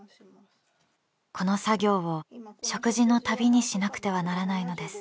この作業を食事のたびにしなくてはならないのです。